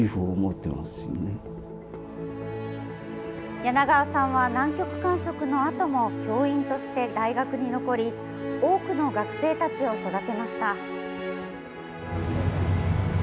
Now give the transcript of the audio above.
柳川さんは、南極観測のあとも教員として大学に残り、多くの学生たちを育てました。